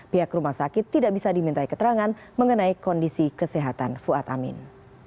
pihak rumah sakit tidak bisa dimintai keterangan mengenai kondisi kesehatan fuad amin